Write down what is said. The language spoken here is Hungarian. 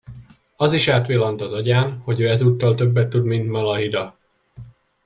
Az is átvillant az agyán, hogy ő ezúttal többet tud, mint Malahida.